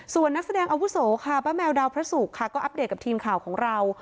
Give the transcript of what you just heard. ส่วนนักแสดงอาวุโสค่ะป้าแมวดาวพระศุกร์ค่ะก็อัปเดตกับทีมข่าวของเรา